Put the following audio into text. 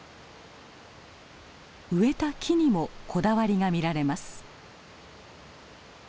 植えた木にもこだわりが見られます。